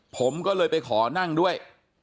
ผมก็เลยไปขอนั่งด้วย